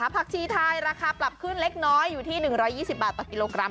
ผักชีไทยราคาปรับขึ้นเล็กน้อยอยู่ที่๑๒๐บาทต่อกิโลกรัม